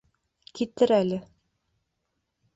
Китер әле.